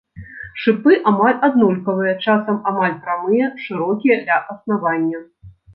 Шыпы амаль аднолькавыя, часта амаль прамыя, шырокія ля аснавання.